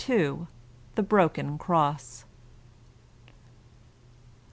THE BROKEN CROSS.